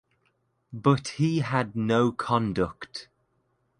But he had no conduct.